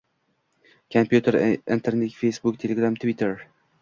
kompyuter, internet, feysbuk, telegram, tvitter.